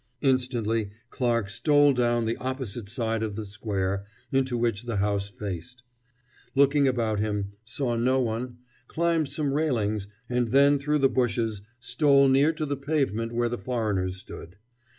Instantly Clarke stole down the opposite side of the square into which the house faced, looked about him, saw no one, climbed some railings, and then through the bushes stole near to the pavement where the foreigners stood.